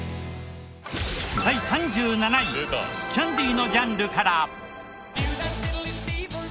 第３７位キャンディーのジャンルから。